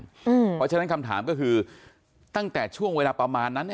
เพราะฉะนั้นคำถามก็คือตั้งแต่ช่วงเวลาประมาณนั้น